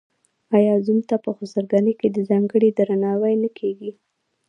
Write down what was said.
آیا زوم ته په خسرګنۍ کې ځانګړی درناوی نه کیږي؟